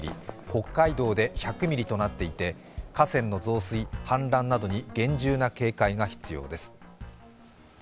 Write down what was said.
北海道で１００ミリとなっていて、河川の増水・氾濫などに厳重な警戒が必要です。